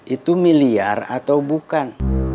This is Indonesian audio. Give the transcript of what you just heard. itu miliar atau bukan